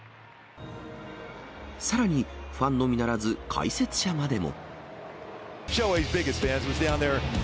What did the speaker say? さらに、ファンのみならず、解説者までも。